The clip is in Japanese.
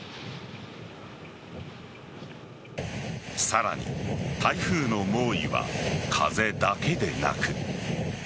さらに台風の猛威は風だけでなく。